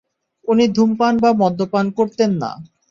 উনি ধূমপান বা মদ্যপান করতেন না।